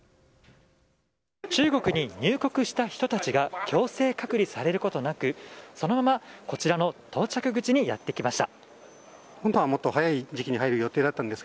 中国に入国した人たちが強制隔離されることなくそのままこちらの到着口にやってきました。